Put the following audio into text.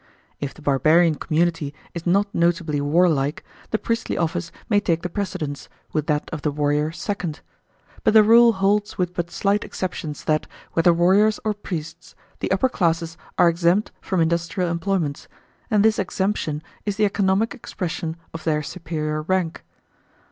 If the barbarian community is not notably warlike, the priestly office may take the precedence, with that of the warrior second. But the rule holds with but slight exceptions that, whether warriors or priests, the upper classes are exempt from industrial employments, and this exemption is the economic expression of their superior rank.